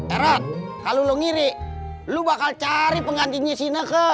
erat kalau lo ngiri lo bakal cari pengantinnya si neke